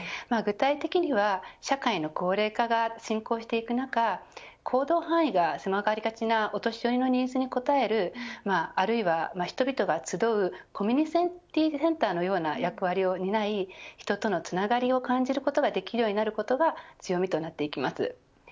具体的には社会の高齢化が進行していく中行動範囲が狭まりがちなお年寄りのニーズに応えるあるいは人々が集うコミュニティセンターのような役割を担い人とのつながりを感じることができる場所になることが強みになります。